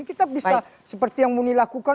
kita bisa seperti yang muni lakukan